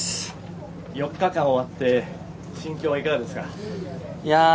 ４日間終わって心境はいかがですか？